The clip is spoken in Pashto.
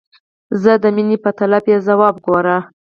زما د میني په طلب یې ځواب ګوره !